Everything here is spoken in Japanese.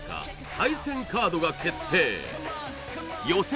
対戦カードが決定予選